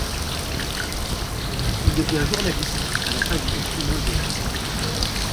Il devient journaliste à la fin du conflit mondial.